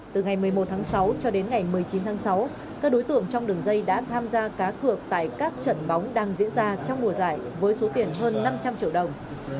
từ ngày một mươi một tháng sáu cho đến ngày một mươi chín tháng sáu các đối tượng trong đường dây đã tham gia cá cược tại các trận bóng đang diễn ra trong mùa giải với số tiền hơn năm trăm linh triệu đồng